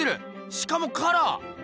しかもカラー！